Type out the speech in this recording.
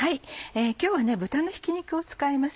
今日は豚のひき肉を使います。